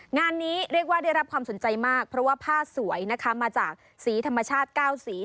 งานนี้เรียกว่าได้รับความสนใจมากเพราะว่าผ้าสวยนะคะมาจากสีธรรมชาติ๙สี